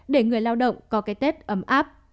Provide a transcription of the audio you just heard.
để người lao động có cái tết ấm áp